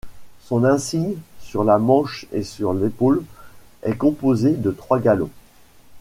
Son insigne, sur la manche et sur l'épaule, est composé de trois galons.